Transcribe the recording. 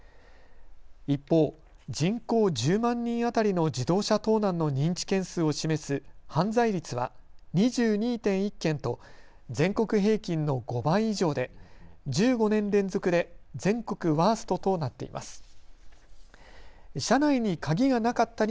一方、人口１０万人当たりの自動車盗難の認知件数を示す犯罪率は２２．１件と全国平均の５倍以上で１５年連続で全国ワーストとなっています。